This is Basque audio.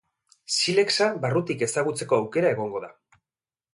Silexa barrutik ezagutzeko aukera egongo da.